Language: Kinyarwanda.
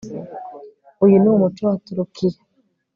Uyu ni umuco wa Turukiya